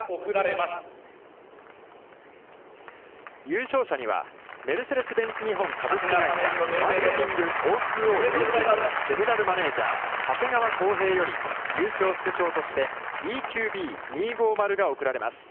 優勝者にはメルセデス・ベンツ日本株式会社マーケティング／０２０推進部ゼネラル・マネージャー長谷川孝平より、優勝副賞として、ＥＱＢ２５０が贈られます。